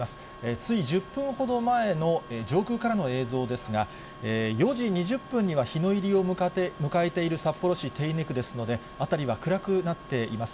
つい１０分ほど前の上空からの映像ですが、４時２０分には日の入りを迎えている札幌市手稲区ですので、辺りは暗くなっています。